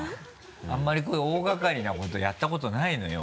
あんまりこういう大がかりなことやったことないのよ